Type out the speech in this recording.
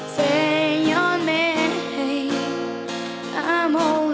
ที่พอจับกีต้าร์ปุ๊บ